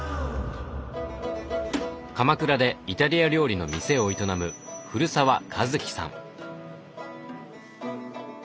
鎌倉でイタリア料理の店を営む古澤一記さん。